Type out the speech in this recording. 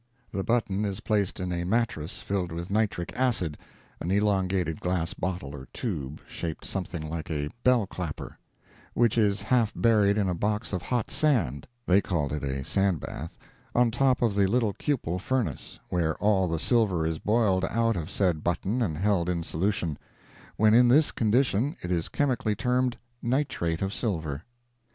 The button is placed in a mattrass filled with nitric acid, (an elongated glass bottle or tube, shaped something like a bell clapper) which is half buried in a box of hot sand—they called it a sand bath—on top of the little cupel furnace, where all the silver is boiled out of said button and held in solution, (when in this condition it is chemically termed "nitrate of silver.")